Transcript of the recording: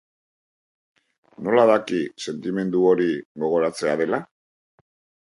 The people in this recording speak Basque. Nola daki sentimendu hori gogoratzea dela?